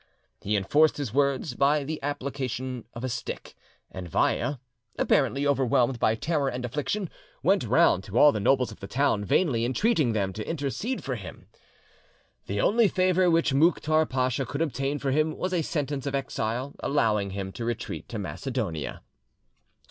He enforced his words by the application of a stick, and Vaya, apparently overwhelmed by terror and affliction, went round to all the nobles of the town, vainly entreating them to intercede for him. The only favour which Mouktar Pacha could obtain for him was a sentence of exile allowing him to retreat to Macedonia.